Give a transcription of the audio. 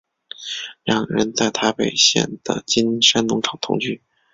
两人在台北县的金山农场同居。